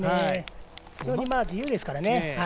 非常に自由ですからね。